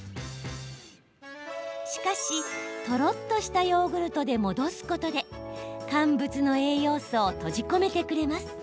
しかし、とろっとしたヨーグルトで戻すことで乾物の栄養素を閉じ込めてくれます。